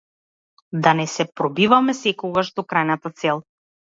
Да не се пробиваме секогаш до крајната цел.